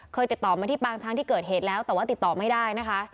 ติดต่อมาที่ปางช้างที่เกิดเหตุแล้วแต่ว่าติดต่อไม่ได้นะคะ